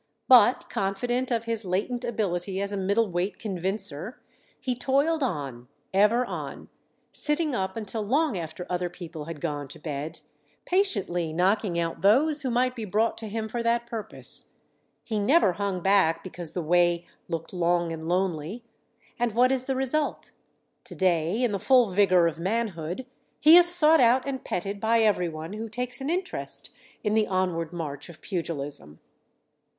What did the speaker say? But, confident of his latent ability as a middle weight convincer, he toiled on, ever on, sitting up until long after other people had gone to bed, patiently knocking out those who might be brought to him for that purpose. He never hung back because the way looked long and lonely. And what is the result? To day, in the full vigor of manhood, he is sought out and petted by everyone who takes an interest in the onward march of pugilism.